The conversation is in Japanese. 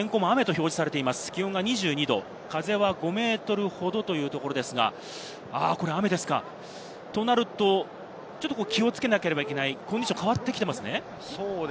気温は２２度、風は５メートルほどというところですが、雨ですか、となると気をつけなければいけない、コンディションが変わってきていますね。